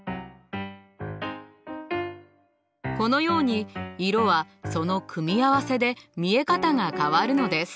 このように色はその組み合わせで見え方が変わるのです。